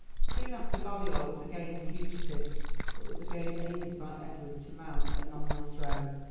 Soon after, Baliol was again a fugitive, but was again aided by Edward to mount a nominal throne.